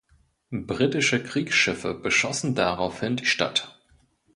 Britische Kriegsschiffe beschossen daraufhin die Stadt.